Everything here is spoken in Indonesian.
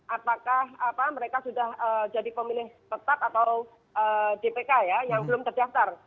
apakah mereka sudah jadi pemilih tetap atau dpk ya yang belum terdaftar